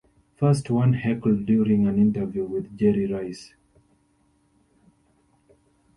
First, one heckled during an interview with Jerry Rice.